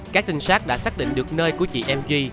các trinh sát đã xác định được nơi của chị em duy